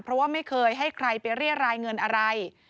เพราะว่าไม่เคยให้ใครไปเรียรายเงินอะไร